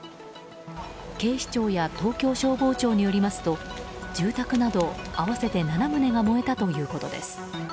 警視庁や東京消防庁によりますと住宅など合わせて７棟が燃えたということです。